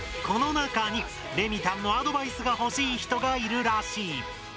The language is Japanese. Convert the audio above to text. この中にレミたんのアドバイスが欲しい人がいるらしい。